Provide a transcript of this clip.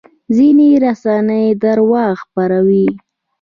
ځینې رسنۍ درواغ خپروي.